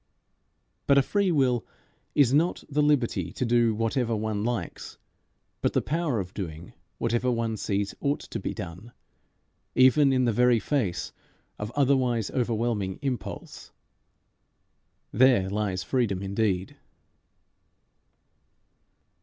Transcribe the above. But a free will is not the liberty to do whatever one likes, but the power of doing whatever one sees ought to be done, even in the very face of otherwise overwhelming impulse. There lies freedom indeed.